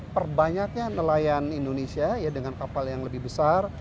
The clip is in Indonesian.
perbanyaknya nelayan indonesia ya dengan kapal yang lebih besar